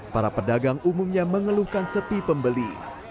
para pedagang umumnya mengeluhkan sepi pembeli